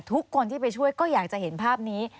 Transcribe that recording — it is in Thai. ทุกคนที่ไปช่วยก็อยากจะเห็นภาพนี้